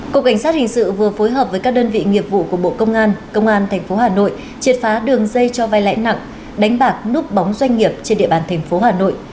cục cảnh sát hình sự vừa phối hợp với các đơn vị nghiệp vụ của bộ công an công an tp hà nội triệt phá đường dây cho vai lãi nặng đánh bạc núp bóng doanh nghiệp trên địa bàn thành phố hà nội